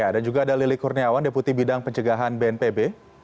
dan juga ada lilik kurniawan deputi bidang pencegahan bnpb